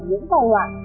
những tài loạn